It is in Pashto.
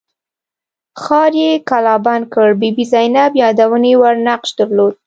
ښار یې کلابند کړ بي بي زینب یادونې وړ نقش درلود.